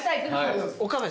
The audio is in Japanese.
岡部